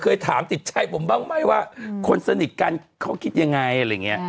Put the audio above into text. เคยถามติดใจผมบ้างไหมว่าคนสนิทกันเขาคิดยังไงอะไรอย่างนี้